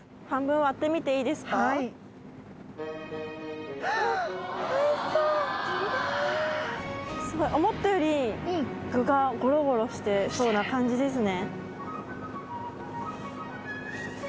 はいおいしそうまあ思ったより具がゴロゴロしてそうな感じですね